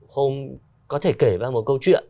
không có thể kể ra một câu chuyện